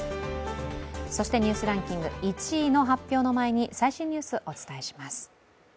そして「ニュースランキング」１位の発表の前に最新ニュース、お伝えします。